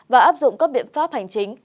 và áp dụng các biện pháp hành chính